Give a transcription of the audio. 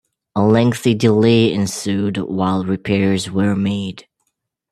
A lengthy delay ensued while repairs were made.